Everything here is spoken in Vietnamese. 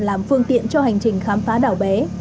làm phương tiện cho hành trình khám phá đảo bé